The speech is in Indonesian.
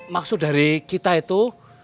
maksud dari kita itu